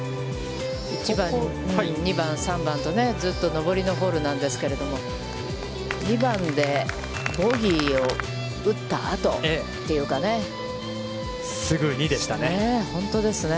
１番、２番、３番と、ずっと上りのホールなんですけれども、２番でボギーを打った後、というかね。